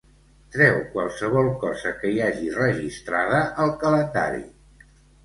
Treu qualsevol cosa que hi hagi registrada al calendari.